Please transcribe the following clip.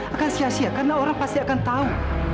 akan sia sia karena orang pasti akan tahu